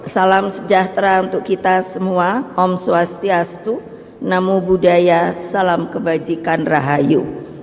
salam sejahtera untuk kita semua om swastiastu namo buddhaya salam kebajikan rahayu